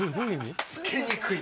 つけにくい。